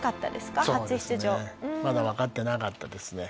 まだわかってなかったですね。